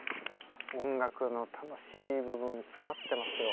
音楽の楽しい部分詰まってますよ。